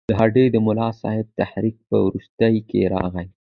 د هډې د ملاصاحب تحریک په وروسته کې راغی.